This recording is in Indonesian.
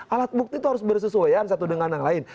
alat bukti itu harus bersesuaian satu dengan yang lain